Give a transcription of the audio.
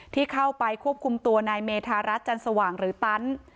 ที่เข้าไปควบคุมตัวนายเมธารัฐจันสว่างหรือตัน